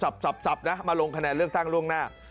จับนะมาลงคะแนนเลือกตั้งล่วงหน้า